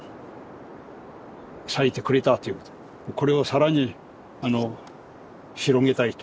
これを更に広げたいと。